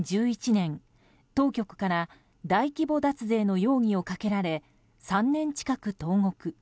２０１１年、当局から大規模脱税の容疑をかけられ３年近く投獄。